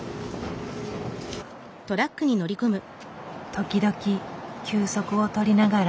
時々休息を取りながら。